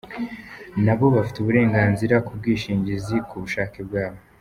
Na bo bafite uburenganzira ku bwishingizi ku bushake bwabo.